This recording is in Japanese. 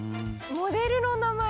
「モデルの名前？」